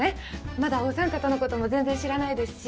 まだお三方のことも全然知らないですし。